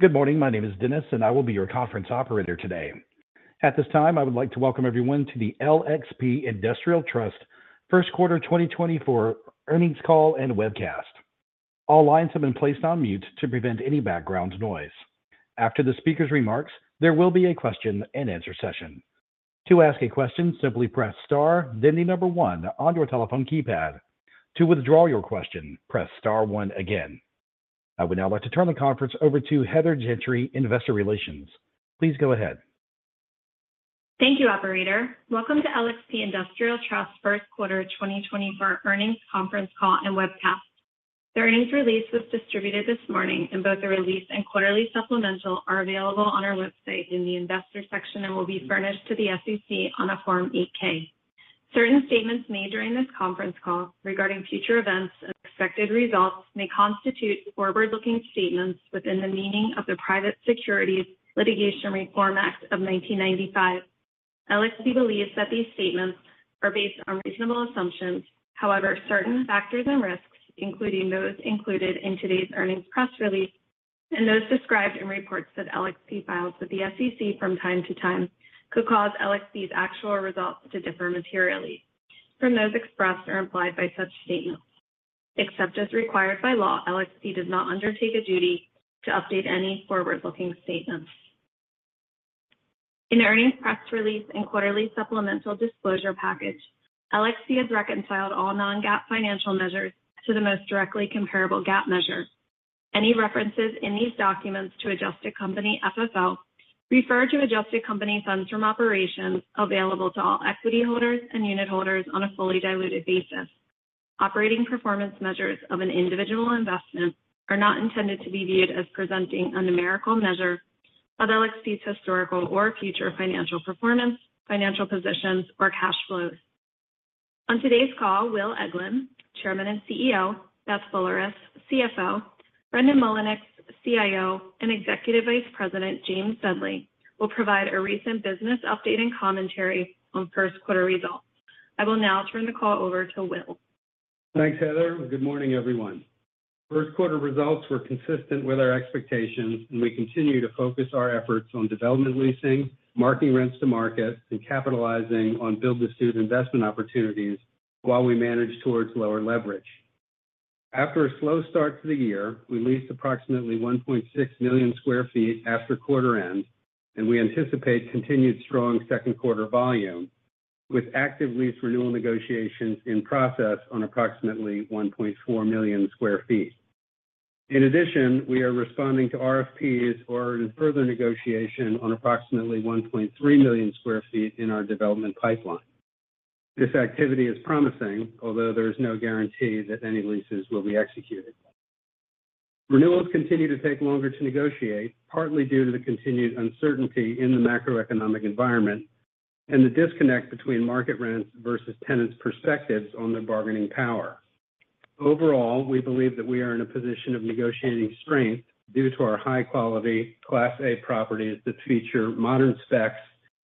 Good morning, my name is Dennis, and I will be your conference operator today. At this time, I would like to welcome everyone to the LXP Industrial Trust First Quarter 2024 Earnings Call and Webcast. All lines have been placed on mute to prevent any background noise. After the speaker's remarks, there will be a question-and-answer session. To ask a question, simply press star then the number one on your telephone keypad. To withdraw your question, press star one again. I would now like to turn the conference over to Heather Gentry, Investor Relations. Please go ahead. Thank you, operator. Welcome to LXP Industrial Trust First Quarter 2024 Earnings Conference Call and Webcast. The earnings release was distributed this morning, and both the release and quarterly supplemental are available on our website in the Investor section and will be furnished to the SEC on a Form 8-K. Certain statements made during this conference call regarding future events and expected results may constitute forward-looking statements within the meaning of the Private Securities Litigation Reform Act of 1995. LXP believes that these statements are based on reasonable assumptions; however, certain factors and risks, including those included in today's earnings press release and those described in reports that LXP files with the SEC from time to time, could cause LXP's actual results to differ materially from those expressed or implied by such statements, except as required by law, LXP does not undertake a duty to update any forward-looking statements. In the earnings press release and quarterly supplemental disclosure package, LXP has reconciled all non-GAAP financial measures to the most directly comparable GAAP measure. Any references in these documents to Adjusted Company FFO refer to adjusted company funds from operations available to all equity holders and unit holders on a fully diluted basis. Operating performance measures of an individual investment are not intended to be viewed as presenting a numerical measure of LXP's historical or future financial performance, financial positions, or cash flows. On today's call, Will Eglin, Chairman and CEO, Beth Boulerice, CFO, Brendan Mullinix, CIO, and Executive Vice President James Dudley, will provide a recent business update and commentary on first quarter results. I will now turn the call over to Will. Thanks, Heather. Good morning, everyone. First quarter results were consistent with our expectations, and we continue to focus our efforts on development leasing, marking rents to market, and capitalizing on build-to-suit investment opportunities while we manage towards lower leverage. After a slow start to the year, we leased approximately 1.6 million sq ft after quarter end, and we anticipate continued strong second quarter volume, with active lease renewal negotiations in process on approximately 1.4 million sq ft. In addition, we are responding to RFPs or in further negotiation on approximately 1.3 million sq ft in our development pipeline. This activity is promising, although there is no guarantee that any leases will be executed. Renewals continue to take longer to negotiate, partly due to the continued uncertainty in the macroeconomic environment and the disconnect between market rents versus tenants' perspectives on their bargaining power. Overall, we believe that we are in a position of negotiating strength due to our high-quality, Class A properties that feature modern specs,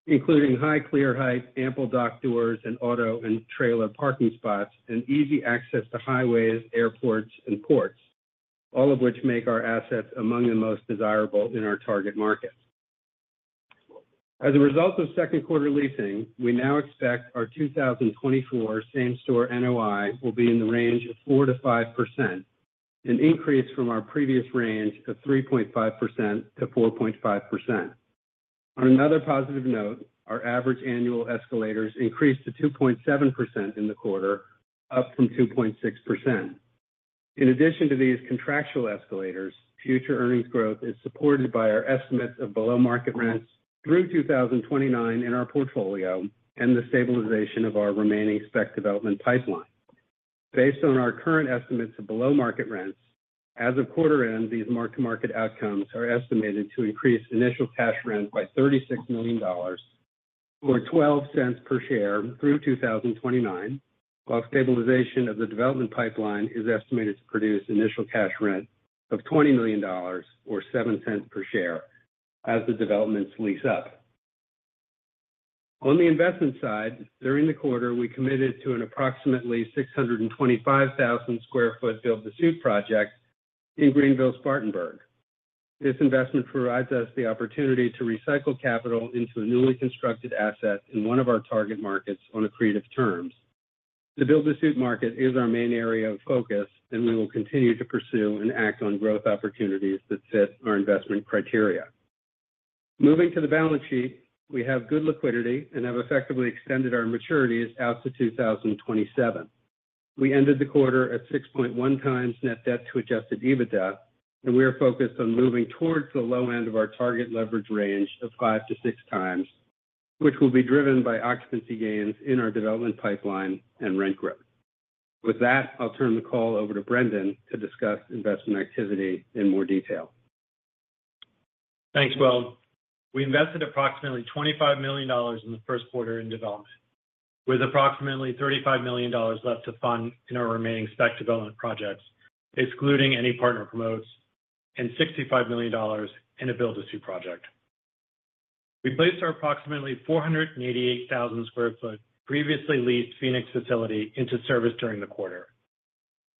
including high clear height, ample dock doors, and auto and trailer parking spots, and easy access to highways, airports, and ports, all of which make our assets among the most desirable in our target market. As a result of second quarter leasing, we now expect our 2024 same-store NOI will be in the range of 4%-5%, an increase from our previous range of 3.5%-4.5%. On another positive note, our average annual escalators increased to 2.7% in the quarter, up from 2.6%. In addition to these contractual escalators, future earnings growth is supported by our estimates of below-market rents through 2029 in our portfolio and the stabilization of our remaining spec development pipeline. Based on our current estimates of below-market rents, as of quarter end, these mark-to-market outcomes are estimated to increase initial cash rent by $36 million or $0.12 per share through 2029, while stabilization of the development pipeline is estimated to produce initial cash rent of $20 million or $0.07 per share as the developments lease up. On the investment side, during the quarter, we committed to an approximately 625,000 sq ft build-to-suit project in Greenville-Spartanburg. This investment provides us the opportunity to recycle capital into a newly constructed asset in one of our target markets on creative terms. The build-to-suit market is our main area of focus, and we will continue to pursue and act on growth opportunities that fit our investment criteria. Moving to the balance sheet, we have good liquidity and have effectively extended our maturities out to 2027. We ended the quarter at 6.1x net debt to Adjusted EBITDA, and we are focused on moving towards the low end of our target leverage range of 5x-6x, which will be driven by occupancy gains in our development pipeline and rent growth. With that, I'll turn the call over to Brendan to discuss investment activity in more detail. Thanks, Will. We invested approximately $25 million in the first quarter in development, with approximately $35 million left to fund in our remaining spec development projects, excluding any partner promotes, and $65 million in a build-to-suit project. We placed our approximately 488,000 sq ft previously leased Phoenix facility into service during the quarter.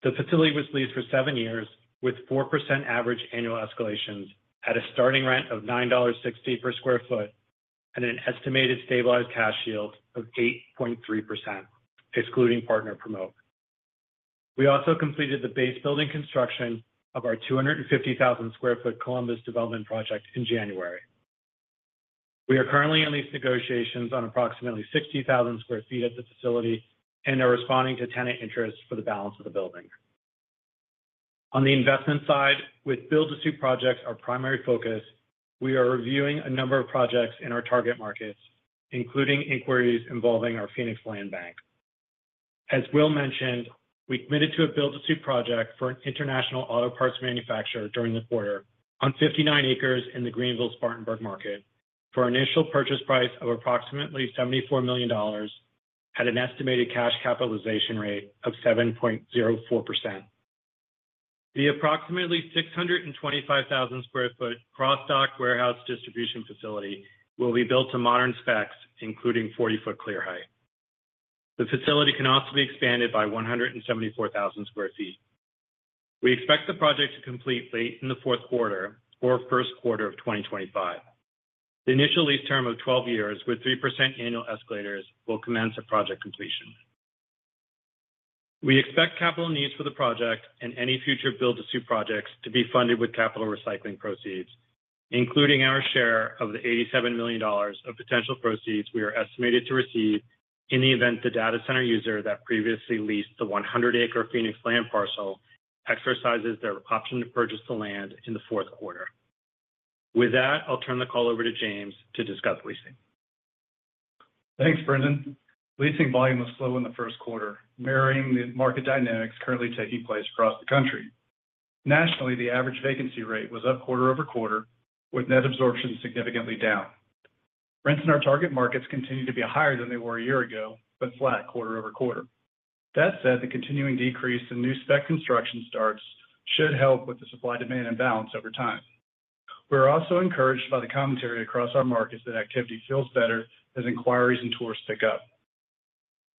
The facility was leased for seven years, with 4% average annual escalations, at a starting rent of $9.60 per sq ft and an estimated stabilized cash yield of 8.3%, excluding partner promote. We also completed the base building construction of our 250,000 sq ft Columbus development project in January. We are currently in lease negotiations on approximately 60,000 sq ft at the facility and are responding to tenant interest for the balance of the building. On the investment side, with build-to-suit projects our primary focus, we are reviewing a number of projects in our target markets, including inquiries involving our Phoenix land bank. As Will mentioned, we committed to a build-to-suit project for an international auto parts manufacturer during the quarter on 59 acres in the Greenville-Spartanburg market for an initial purchase price of approximately $74 million at an estimated cash capitalization rate of 7.04%. The approximately 625,000 sq ft cross-dock warehouse distribution facility will be built to modern specs, including 40 ft clear height. The facility can also be expanded by 174,000 sq ft. We expect the project to complete late in the fourth quarter or first quarter of 2025. The initial lease term of 12 years, with 3% annual escalators, will commence at project completion. We expect capital needs for the project and any future build-to-suit projects to be funded with capital recycling proceeds, including our share of the $87 million of potential proceeds we are estimated to receive in the event the data center user that previously leased the 100-acre Phoenix land parcel exercises their option to purchase the land in the fourth quarter. With that, I'll turn the call over to James to discuss leasing. Thanks, Brendan. Leasing volume was slow in the first quarter, mirroring the market dynamics currently taking place across the country. Nationally, the average vacancy rate was up quarter-over-quarter, with net absorption significantly down. Rents in our target markets continue to be higher than they were a year ago but flat quarter-over-quarter. That said, the continuing decrease in new spec construction starts should help with the supply-demand imbalance over time. We are also encouraged by the commentary across our markets that activity feels better as inquiries and tours pick up.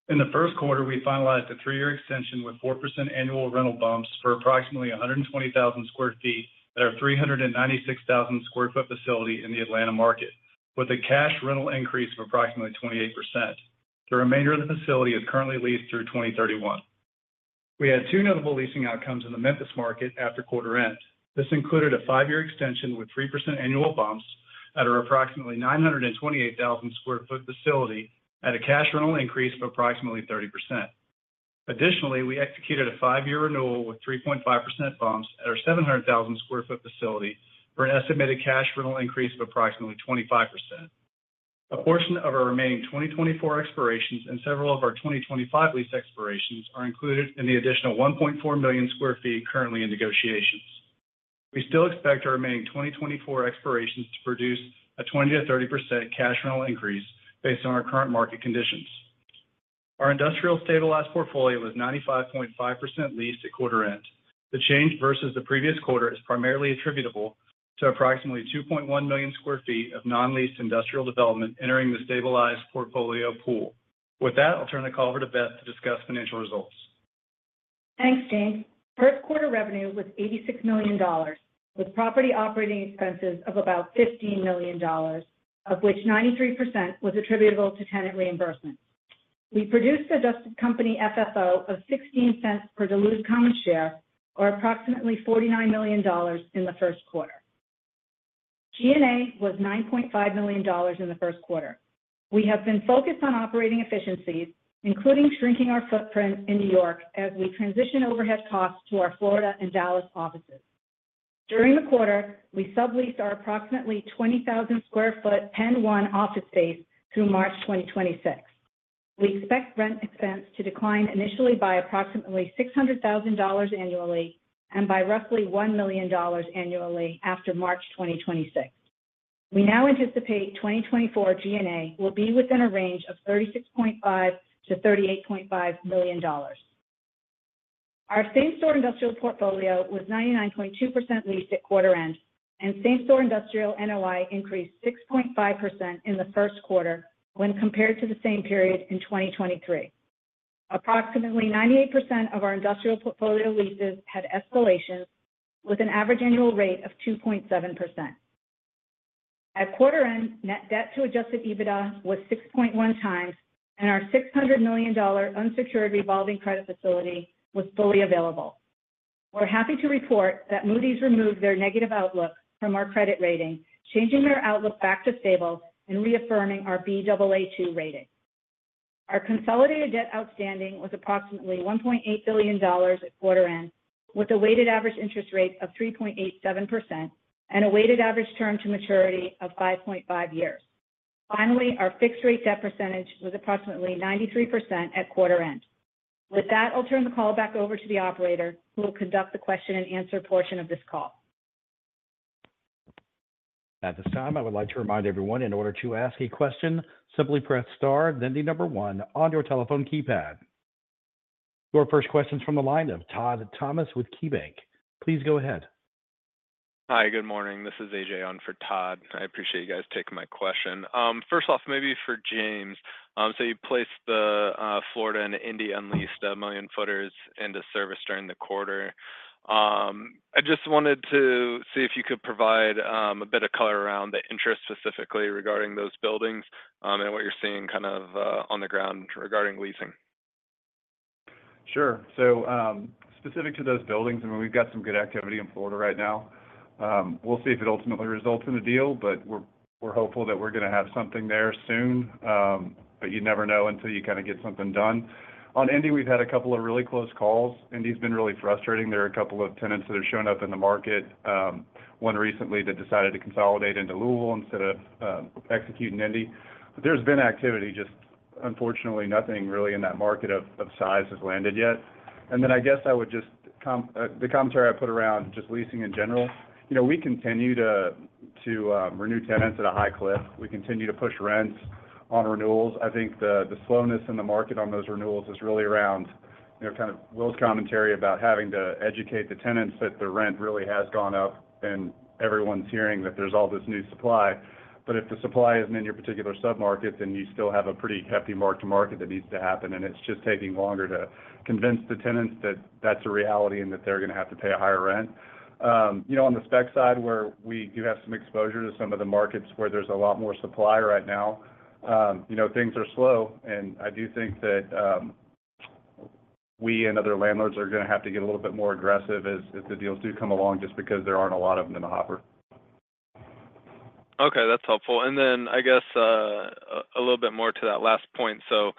In the first quarter, we finalized a three-year extension with 4% annual rental bumps for approximately 120,000 sq ft at our 396,000 sq ft facility in the Atlanta market, with a cash rental increase of approximately 28%. The remainder of the facility is currently leased through 2031. We had two notable leasing outcomes in the Memphis market after quarter end. This included a five-year extension with 3% annual bumps at our approximately 928,000 sq ft facility at a cash rental increase of approximately 30%. Additionally, we executed a five-year renewal with 3.5% bumps at our 700,000 sq ft facility for an estimated cash rental increase of approximately 25%. A portion of our remaining 2024 expirations and several of our 2025 lease expirations are included in the additional 1.4 million sq ft currently in negotiations. We still expect our remaining 2024 expirations to produce a 20%-30% cash rental increase based on our current market conditions. Our industrial stabilized portfolio was 95.5% leased at quarter end. The change versus the previous quarter is primarily attributable to approximately 2.1 million sq ft of non-leased industrial development entering the stabilized portfolio pool. With that, I'll turn the call over to Beth to discuss financial results. Thanks, James. First quarter revenue was $86 million, with property operating expenses of about $15 million, of which 93% was attributable to tenant reimbursements. We produced Adjusted Company FFO of $0.16 per diluted common share, or approximately $49 million, in the first quarter. G&A was $9.5 million in the first quarter. We have been focused on operating efficiencies, including shrinking our footprint in New York as we transition overhead costs to our Florida and Dallas offices. During the quarter, we subleased our approximately 20,000 sq ft PENN 1 office space through March 2026. We expect rent expense to decline initially by approximately $600,000 annually and by roughly $1 million annually after March 2026. We now anticipate 2024 G&A will be within a range of $36.5 million-$38.5 million. Our same-store industrial portfolio was 99.2% leased at quarter end, and same-store industrial NOI increased 6.5% in the first quarter when compared to the same period in 2023. Approximately 98% of our industrial portfolio leases had escalations, with an average annual rate of 2.7%. At quarter end, net debt to Adjusted EBITDA was 6.1x, and our $600 million unsecured revolving credit facility was fully available. We're happy to report that Moody's removed their negative outlook from our credit rating, changing their outlook back to stable and reaffirming our Baa2 rating. Our consolidated debt outstanding was approximately $1.8 billion at quarter end, with a weighted average interest rate of 3.87% and a weighted average term to maturity of 5.5 years. Finally, our fixed-rate debt percentage was approximately 93% at quarter end. With that, I'll turn the call back over to the operator, who will conduct the question-and-answer portion of this call. At this time, I would like to remind everyone, in order to ask a question, simply press star, then the number one on your telephone keypad. Your first question's from the line of Todd Thomas with KeyBanc. Please go ahead. Hi, good morning. This is AJ on for Todd. I appreciate you guys taking my question. First off, maybe for James. So you placed the Florida and Indy unleased million-footers into service during the quarter. I just wanted to see if you could provide a bit of color around the interest specifically regarding those buildings and what you're seeing kind of on the ground regarding leasing. Sure. So specific to those buildings, I mean, we've got some good activity in Florida right now. We'll see if it ultimately results in a deal, but we're hopeful that we're going to have something there soon. But you never know until you kind of get something done. On Indy, we've had a couple of really close calls. Indy's been really frustrating. There are a couple of tenants that have shown up in the market, one recently that decided to consolidate into Louisville instead of executing Indy. But there's been activity, just unfortunately, nothing really in that market of size has landed yet. Then I guess I would just the commentary I put around just leasing in general, we continue to renew tenants at a high cliff. We continue to push rents on renewals. I think the slowness in the market on those renewals is really around kind of Will's commentary about having to educate the tenants that the rent really has gone up and everyone's hearing that there's all this new supply. But if the supply isn't in your particular submarket, then you still have a pretty hefty mark-to-market that needs to happen, and it's just taking longer to convince the tenants that that's a reality and that they're going to have to pay a higher rent. On the spec side, where we do have some exposure to some of the markets where there's a lot more supply right now, things are slow. And I do think that we and other landlords are going to have to get a little bit more aggressive as the deals do come along just because there aren't a lot of them in the hopper. Okay, that's helpful. Then I guess a little bit more to that last point. So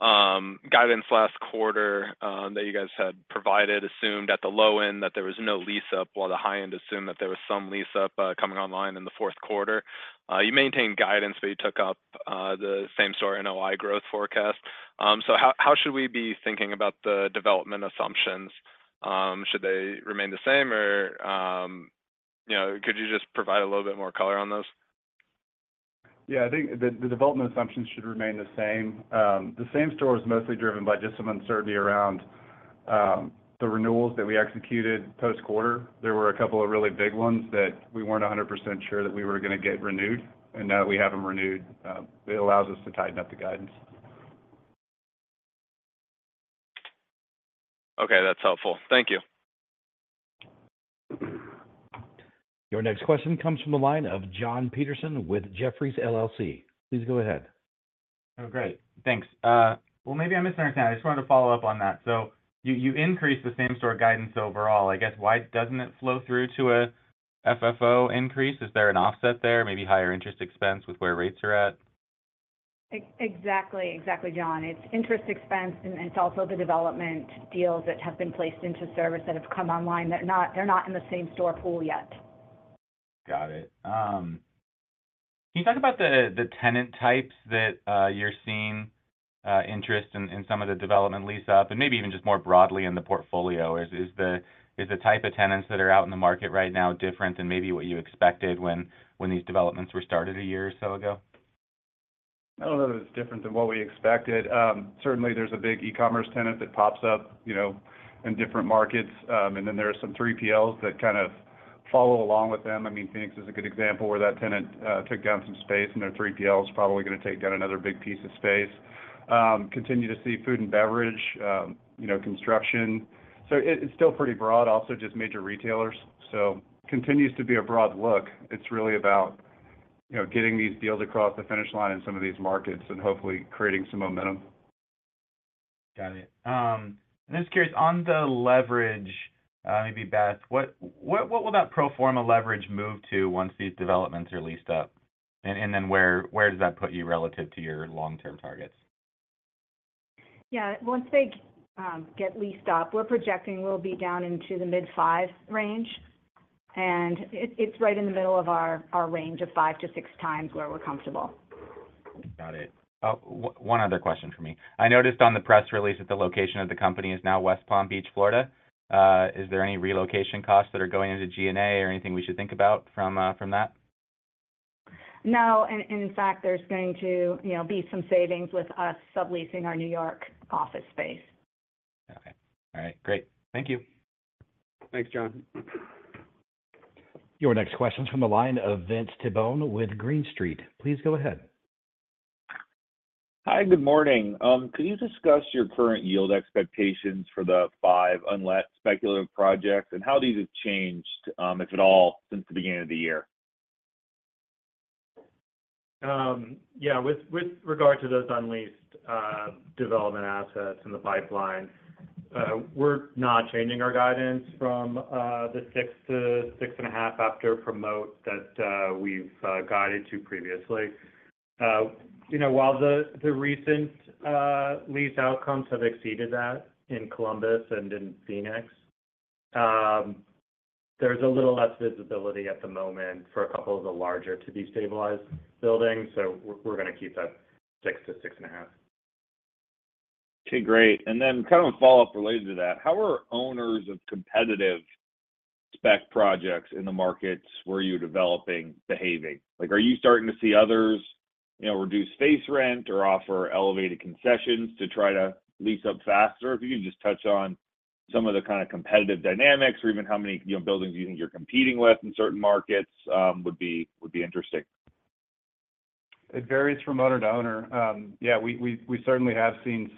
guidance last quarter that you guys had provided assumed at the low end that there was no lease up while the high end assumed that there was some lease up coming online in the fourth quarter. You maintained guidance, but you took up the same-store NOI growth forecast. So how should we be thinking about the development assumptions? Should they remain the same, or could you just provide a little bit more color on those? Yeah, I think the development assumptions should remain the same. The same store is mostly driven by just some uncertainty around the renewals that we executed post-quarter. There were a couple of really big ones that we weren't 100% sure that we were going to get renewed, and now that we have them renewed, it allows us to tighten up the guidance. Okay, that's helpful. Thank you. Your next question comes from the line of Jon Petersen with Jefferies LLC. Please go ahead. Oh, great. Thanks. Well, maybe I misunderstood. I just wanted to follow up on that. So you increased the same-store guidance overall. I guess why doesn't it flow through to a FFO increase? Is there an offset there, maybe higher interest expense with where rates are at? Exactly, exactly, Jon. It's interest expense, and it's also the development deals that have been placed into service that have come online. They're not in the same store pool yet. Got it. Can you talk about the tenant types that you're seeing interest in some of the development lease up, and maybe even just more broadly in the portfolio? Is the type of tenants that are out in the market right now different than maybe what you expected when these developments were started a year or so ago? I don't know that it's different than what we expected. Certainly, there's a big e-commerce tenant that pops up in different markets, and then there are some 3PLs that kind of follow along with them. I mean, Phoenix is a good example where that tenant took down some space, and their 3PL's probably going to take down another big piece of space. Continue to see food and beverage, construction. So it's still pretty broad, also just major retailers. So continues to be a broad look. It's really about getting these deals across the finish line in some of these markets and hopefully creating some momentum. Got it. And just curious, on the leverage, maybe Beth, what will that pro forma leverage move to once these developments are leased up? And then where does that put you relative to your long-term targets? Yeah, once they get leased up, we're projecting we'll be down into the mid-5 range. It's right in the middle of our range of 5x-6x where we're comfortable. Got it. One other question for me. I noticed on the press release that the location of the company is now West Palm Beach, Florida. Is there any relocation costs that are going into G&A or anything we should think about from that? No. In fact, there's going to be some savings with us subleasing our New York office space. Okay. All right. Great. Thank you. Thanks, Jon. Your next question's from the line of Vince Tibone with Green Street. Please go ahead. Hi, good morning. Could you discuss your current yield expectations for the five unlet speculative projects and how these have changed, if at all, since the beginning of the year? Yeah, with regard to those unleased development assets in the pipeline, we're not changing our guidance from the 6%-6.5% after promote that we've guided to previously. While the recent lease outcomes have exceeded that in Columbus and in Phoenix, there's a little less visibility at the moment for a couple of the larger to be stabilized buildings. So we're going to keep that 6%-6.5%. Okay, great. And then kind of a follow-up related to that, how are owners of competitive spec projects in the markets where you're developing behaving? Are you starting to see others reduce face rent or offer elevated concessions to try to lease up faster? If you could just touch on some of the kind of competitive dynamics or even how many buildings you think you're competing with in certain markets would be interesting. It varies from owner to owner. Yeah, we certainly have seen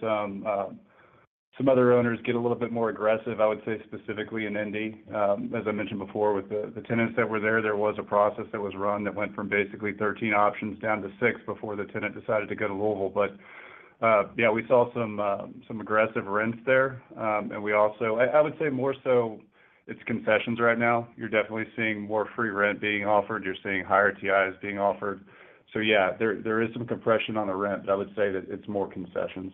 some other owners get a little bit more aggressive, I would say, specifically in Indy. As I mentioned before, with the tenants that were there, there was a process that was run that went from basically 13 options down to six before the tenant decided to go to Louisville. But yeah, we saw some aggressive rents there. And I would say more so it's concessions right now. You're definitely seeing more free rent being offered. You're seeing higher TIs being offered. So yeah, there is some compression on the rent, but I would say that it's more concessions.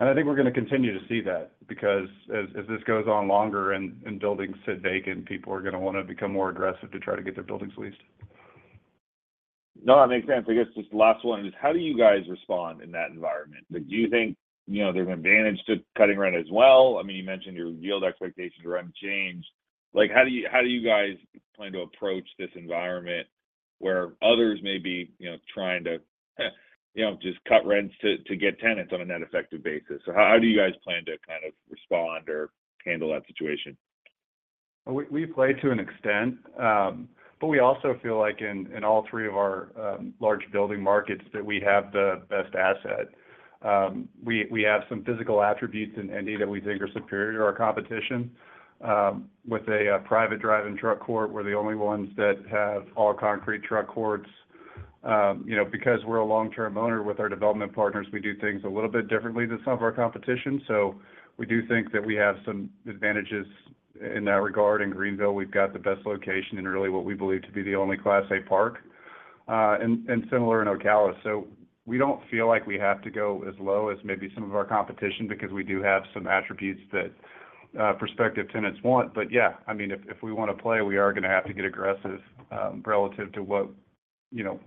And I think we're going to continue to see that because as this goes on longer and buildings sit vacant, people are going to want to become more aggressive to try to get their buildings leased. No, that makes sense. I guess just the last one is, how do you guys respond in that environment? Do you think there's an advantage to cutting rent as well? I mean, you mentioned your yield expectations are unchanged. How do you guys plan to approach this environment where others may be trying to just cut rents to get tenants on a net effective basis? So how do you guys plan to kind of respond or handle that situation? We play to an extent, but we also feel like in all three of our large building markets that we have the best asset. We have some physical attributes in Indy that we think are superior to our competition with a private drive-in truck court where the only ones that have all-concrete truck courts. Because we're a long-term owner with our development partners, we do things a little bit differently than some of our competition. So we do think that we have some advantages in that regard. In Greenville, we've got the best location in really what we believe to be the only Class A park, and similar in Ocala. So we don't feel like we have to go as low as maybe some of our competition because we do have some attributes that prospective tenants want. But yeah, I mean, if we want to play, we are going to have to get aggressive relative to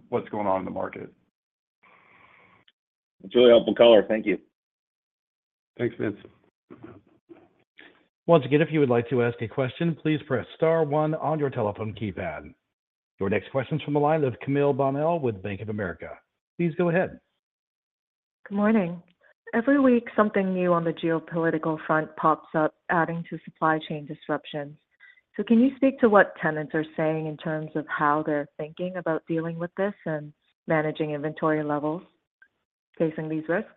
what's going on in the market. That's really helpful color. Thank you. Thanks, Vince. Once again, if you would like to ask a question, please press star one on your telephone keypad. Your next question's from the line of Camille Bonnel with Bank of America. Please go ahead. Good morning. Every week, something new on the geopolitical front pops up, adding to supply chain disruptions. So can you speak to what tenants are saying in terms of how they're thinking about dealing with this and managing inventory levels facing these risks?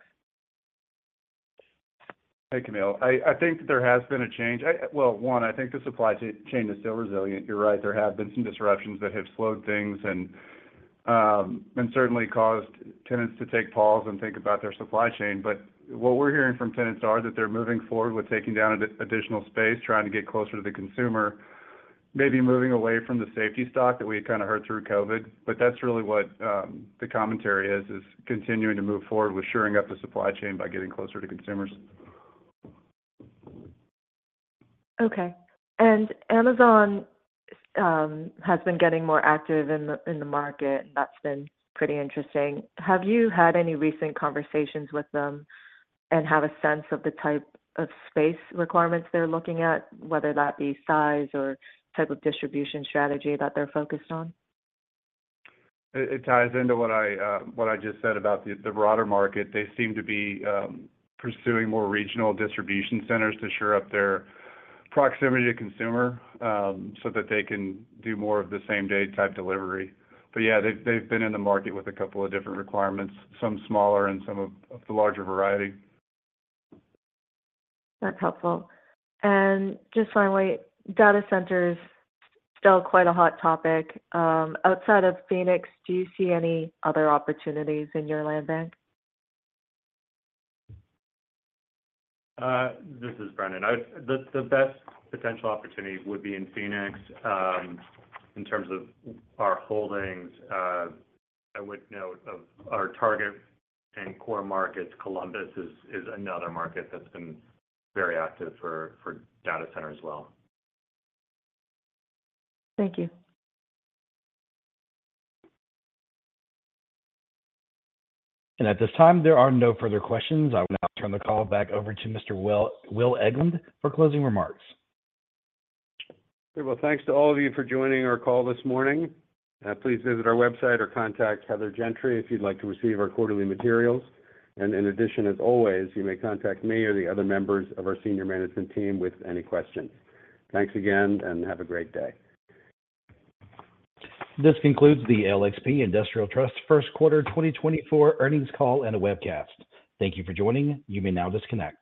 Hey, Camille. I think that there has been a change. Well, one, I think the supply chain is still resilient. You're right. There have been some disruptions that have slowed things and certainly caused tenants to take pause and think about their supply chain. But what we're hearing from tenants are that they're moving forward with taking down additional space, trying to get closer to the consumer, maybe moving away from the safety stock that we kind of heard through COVID. But that's really what the commentary is, is continuing to move forward with shoring up the supply chain by getting closer to consumers. Okay. Amazon has been getting more active in the market, and that's been pretty interesting. Have you had any recent conversations with them and have a sense of the type of space requirements they're looking at, whether that be size or type of distribution strategy that they're focused on? It ties into what I just said about the broader market. They seem to be pursuing more regional distribution centers to shore up their proximity to consumer so that they can do more of the same-day type delivery. But yeah, they've been in the market with a couple of different requirements, some smaller and some of the larger variety. That's helpful. And just finally, data centers are still quite a hot topic. Outside of Phoenix, do you see any other opportunities in your land bank? This is Brendan. The best potential opportunity would be in Phoenix. In terms of our holdings, I would note our target and core markets. Columbus is another market that's been very active for data centers as well. Thank you. At this time, there are no further questions. I will now turn the call back over to Mr. Will Eglin for closing remarks. Well, thanks to all of you for joining our call this morning. Please visit our website or contact Heather Gentry if you'd like to receive our quarterly materials. In addition, as always, you may contact me or the other members of our senior management team with any questions. Thanks again, and have a great day. This concludes the LXP Industrial Trust first quarter 2024 earnings call and a webcast. Thank you for joining. You may now disconnect.